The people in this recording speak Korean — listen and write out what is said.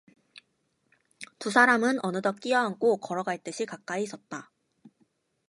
두 사람은 어느덧 끼어안고 걸어갈 듯이 가까이 섰다.